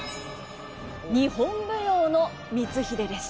日本舞踊の「光秀」です。